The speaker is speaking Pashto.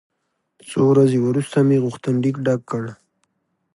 څو ورځې وروسته مې غوښتنلیک ډک کړ.